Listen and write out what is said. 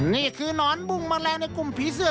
นี่คือนอนบุ้งแมลงในกลุ่มผีเสื้อ